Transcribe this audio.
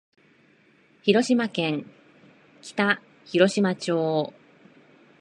広島県北広島町